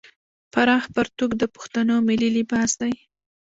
پراخ پرتوګ د پښتنو ملي لباس دی.